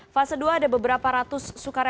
fase dua ada beberapa ratus sukarela